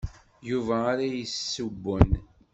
D Yuba ara yessewwen.